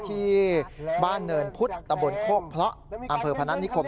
ที่บ้านเดินพุธตะบนโคพระอำเภอพนันนิคม